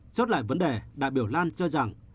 chốt lại vấn đề đại biểu lan cho rằng